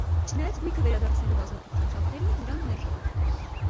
Չնայած գույքը վերադարձնելու բազմաթիվ խնդրանքներին, նրան մերժել են։